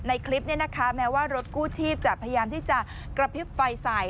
ในคลิปนี้นะคะแม้ว่ารถกู้ชีพจะพยายามที่จะกระพริบไฟใส่